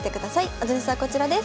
アドレスはこちらです。